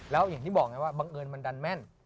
แล้วอย่างที่บอกไงว่าบังเอิญมันดันแม่น